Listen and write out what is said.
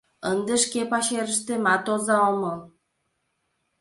Ынде шке пачерыштемат оза омыл.